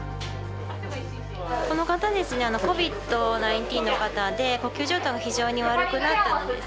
この方ですねＣＯＶＩＤ−１９の方で呼吸状態が非常に悪くなったのをですね